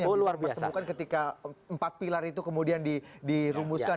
yang bisa kita temukan ketika empat pilar itu kemudian dirumuskan